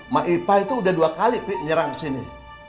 ma ipa itu udah dua kali pi nyerang kesini